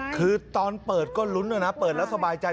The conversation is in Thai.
คือตอนเปิดก็ลุ้นด้วยนะเปิดแล้วสบายใจ